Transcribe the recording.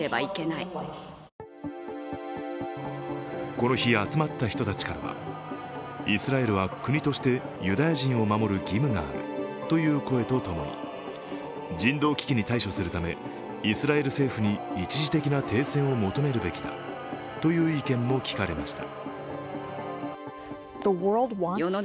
この日集まった人たちからは、イスラエルは国としてユダヤ人を守る義務があるという声とともに人道危機に対処するためイスラエル政府に一時的な停戦を求めるべきだという意見も聞かれました。